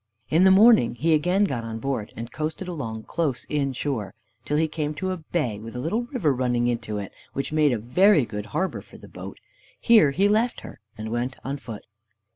In the morning he again got on board, and coasted along close inshore, till he came to a bay with a little river running into it, which made a very good harbor for the boat. Here he left her, and went on foot.